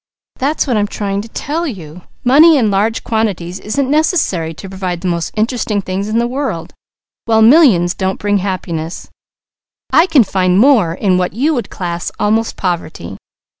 That's what I am trying to tell you. Money in large quantities isn't necessary to provide the most interesting things in the world, while millions don't bring happiness. I can find more in what you would class almost poverty."